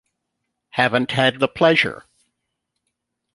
Haven't had the pleasure.